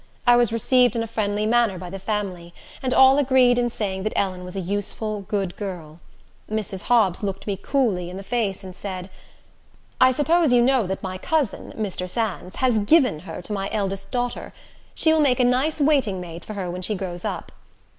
I was received in a friendly manner by the family, and all agreed in saying that Ellen was a useful, good girl. Mrs. Hobbs looked me coolly in the face, and said, "I suppose you know that my cousin, Mr. Sands, has given her to my eldest daughter. She will make a nice waiting maid for her when she grows up."